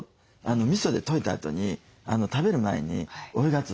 みそで溶いたあとに食べる前に追いがつおするんですよ。